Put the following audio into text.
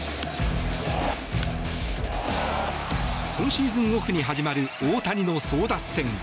今シーズンオフに始まる大谷の争奪戦。